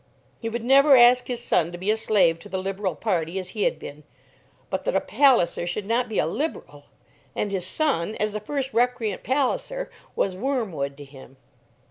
He would never ask his son to be a slave to the Liberal party, as he had been. But that a Palliser should not be a Liberal, and his son, as the first recreant Palliser, was wormwood to him!